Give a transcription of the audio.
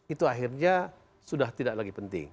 itu akhirnya sudah tidak lagi penting